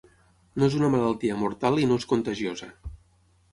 No és una malaltia mortal i no és contagiosa.